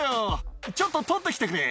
「ちょっと取って来てくれ」